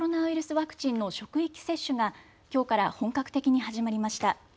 ワクチンの職域接種がきょうから本格的に始まりました。